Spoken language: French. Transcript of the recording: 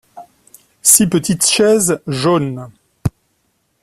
Six petites chaises jaunes.